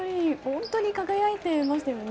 本当に輝いていましたよね。